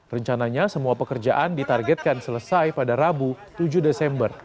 rencananya semua pekerjaan ditargetkan selesai pada rabu tujuh desember